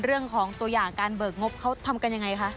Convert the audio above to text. เรื่องของตัวอย่างการเบิกงบเขาทำกันยังไงคะ